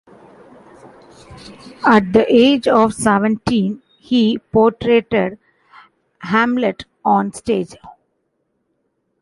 At the age of seventeen, he portrayed Hamlet on stage.